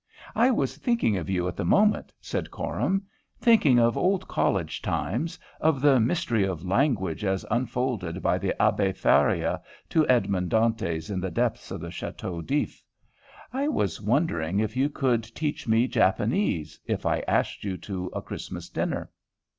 "I was thinking of you at the moment," said Coram, "thinking of old college times, of the mystery of language as unfolded by the Abbé Faria to Edmond Dantes in the depths of the Chateau d'If. I was wondering if you could teach me Japanese, if I asked you to a Christmas dinner."